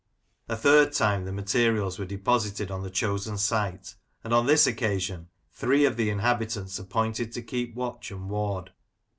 A third time the materials were deposited on the chosen site, and, on this occasion, three of the inhabitants appointed to keep watch and ward.